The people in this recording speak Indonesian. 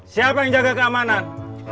siapa yang jaga keamanan